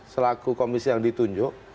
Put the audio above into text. selaku komisi yang ditunjuk